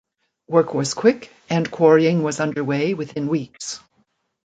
Work was quick and quarrying was underway within weeks.